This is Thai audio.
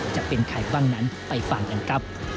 จะเป็นใครบ้างนั้นไปฟังกันครับ